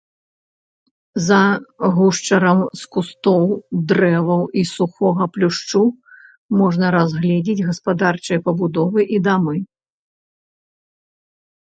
За гушчарам з кустоў, дрэваў і сухога плюшчу можна разгледзець гаспадарчыя пабудовы і дамы.